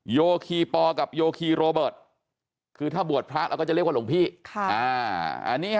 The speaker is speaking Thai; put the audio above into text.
โยคีปอกับโยคีโรเบิร์ตคือถ้าบวชพระเราก็จะเรียกว่าหลวงพี่